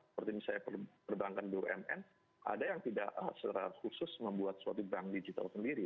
seperti misalnya perbankan bumn ada yang tidak secara khusus membuat suatu bank digital sendiri